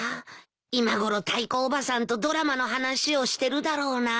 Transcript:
今頃タイコおばさんとドラマの話をしてるだろうな。